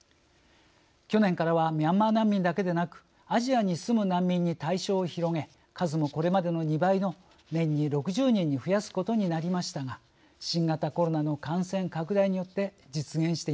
去年からはミャンマー難民だけでなくアジアに住む難民に対象を広げ数もこれまでの２倍の年に６０人に増やすことになりましたが新型コロナの感染拡大によって実現していません。